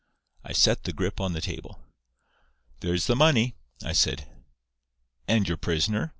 I set the grip on the table. 'There's the money,' I said. "'And your prisoner?